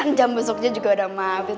kan jam besoknya juga udah maaf